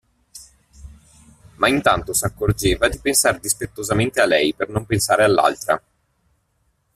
Ma intanto s'accorgeva di pensar dispettosamente a lei per non pensare all'altra.